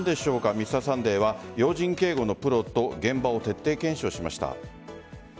「Ｍｒ．サンデー」は要人警護のプロと現場を徹底検証しました。